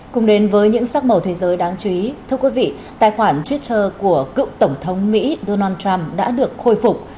cùng đến với những sắc màu thế giới đáng chú ý thưa quý vị tài khoản twitter của cựu tổng thống mỹ donald trump đã được khôi phục